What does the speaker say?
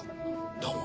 どうも。